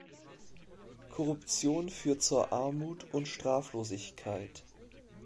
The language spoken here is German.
Korruption führt zu Armut und Straflosigkeit.